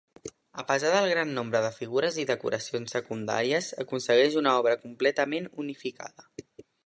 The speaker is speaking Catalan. A pesar del gran nombre de figures i decoracions secundàries aconsegueix una obra completament unificada.